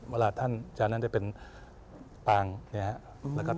เวลาท่านจานั้นได้เป็นตางเนี่ยครับ